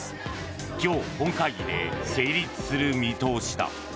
今日、本会議で成立する見通しだ。